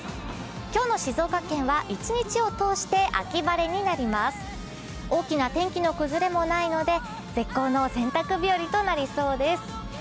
今日の静岡県は一日を通して秋晴れになります大きな天気の崩れもないので、絶好の洗濯日和となりそうです。